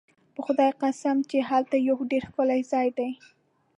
په خدای قسم چې هغه یو ډېر ښکلی ځای دی.